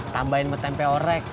tambahin metempe orek